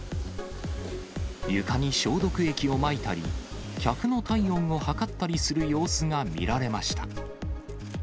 床に消毒液をまいたり、客の体温を測ったりする様子が見られました。